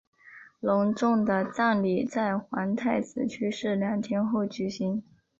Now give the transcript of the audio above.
隆重的葬礼在皇太子去世两天后举行。